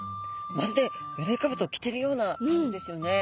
まるでよろいかぶとを着てるような感じですよね。